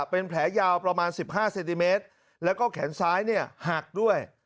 เป็นแผลยาวประมาณ๑๕เซนติเมตรแล้วก็แขนซ้ายเนี่ยหักด้วย